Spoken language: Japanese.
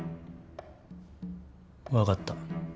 分かった。